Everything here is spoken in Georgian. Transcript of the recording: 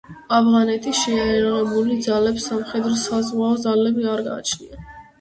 ავღანეთის შეარაღებულ ძალებს სამხედრო-საზღვაო ძალები არ გააჩნია.